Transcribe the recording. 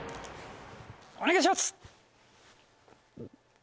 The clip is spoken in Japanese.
お願いします！